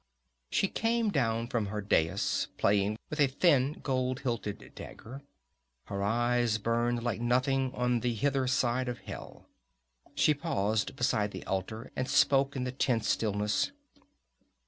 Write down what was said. She came down from her dais, playing with a thin gold hilted dagger. Her eyes burned like nothing on the hither side of hell. She paused beside the altar and spoke in the tense stillness.